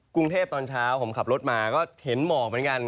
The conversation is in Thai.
กรุงเทพตอนเช้าผมขับรถมาก็เห็นหมอกเหมือนกัน